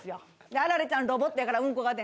アラレちゃんロボットやからうんこが出ん。